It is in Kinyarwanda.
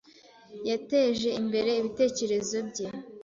Yateje imbere ibitekerezo bye.